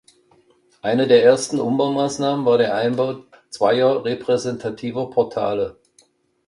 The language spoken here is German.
Eine der ersten Umbaumaßnahmen war der Einbau zweier repräsentativer Portale.